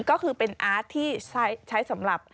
ก็คือเป็นอาร์ตที่ใช้สำหรับ